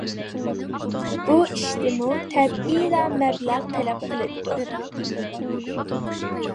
بۇ ئىشتىمۇ تەبىئىيلا مەبلەغ تەلەپ قىلىنىدۇ.